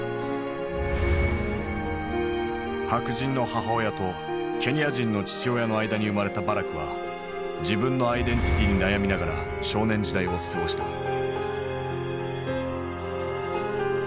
白人の母親とケニア人の父親の間に生まれたバラクは自分のアイデンティティーに悩みながら少年時代を過ごした。